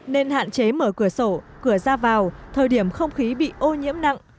nên hạn chế mở cửa sổ cửa ra vào thời điểm không khí bị ô nhiễm nặng